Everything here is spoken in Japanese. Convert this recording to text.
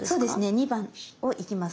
２番を行きます。